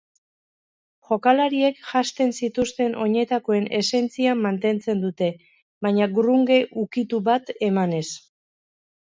Jokalariek janztenzituzten oinetakoen esentzia mantentzen dute baina grunge ukitu batemanez.